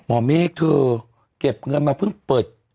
หมอเมฆเธอเก็บเงินมาเพิ่งเปิด